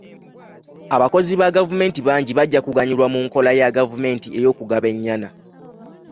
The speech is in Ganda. Abakozi ba gavumenti bangi bajja kuganyulwa mu nkola ya gavumenti ey'okugaba ennyana.